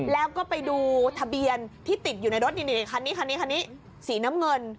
แล้วก็ไปดูทะเบียนที่ติดอยู่ในรถนี่คันนี้คันนี้คันนี้สีน้ำเงิน